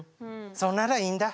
そんならいいんだ。